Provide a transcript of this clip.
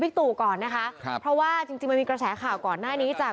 มีหรือครับหรือผมบอกว่าใครครับส่องบ้านใหญ่